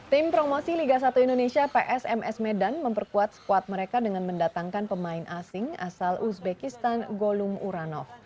tim promosi liga satu indonesia psms medan memperkuat squad mereka dengan mendatangkan pemain asing asal uzbekistan golum uranov